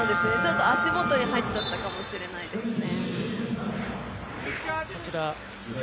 足元に入っちゃったかもしれないですね。